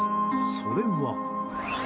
それは。